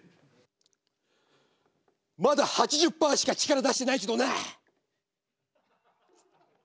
「まだ８０％しか力出してないけどな！」。